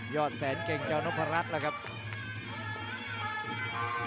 อดแสนเก่งเจ้านพรัชแล้วครับ